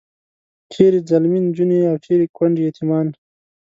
چیرې ځلمي نجونې او چیرې کونډې یتیمان.